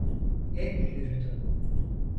Hep yürüdüm.